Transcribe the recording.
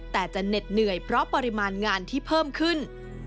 แต่จะเหน็ดเหนื่อยเพราะปริมาณงานที่เพิ่มขึ้น